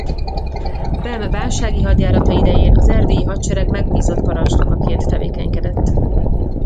Bem bánsági hadjárata idején az erdélyi hadsereg megbízott parancsnokaként tevékenykedett.